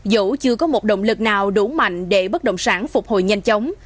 dẫu chưa có một động lực nào đủ mạnh để bất động sản phục hồi nhanh chóng